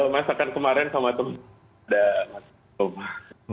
masakan kemarin sama teman teman